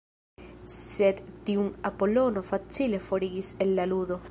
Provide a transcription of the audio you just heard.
Sed tiun Apolono facile forigis el la ludo.